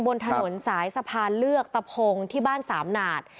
บนถนนสายสะพานเลือกตะพงที่บ้านสามหนาด